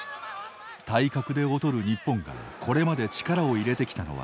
体格で劣る日本がこれまで力を入れてきたのは